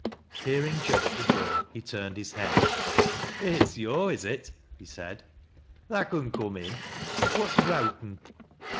Hearing Jud at the door, he turned his head. " It's yo', is it ?" he said. " Tha con coom in. What's browten?"